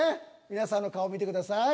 皆さんの顔見てください。